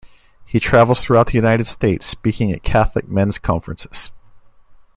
He travels throughout the United States speaking at Catholic men's conferences.